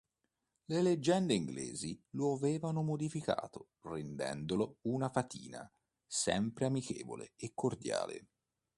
Le leggende inglesi lo avevano modificato rendendolo una fatina sempre amichevole e cordiale.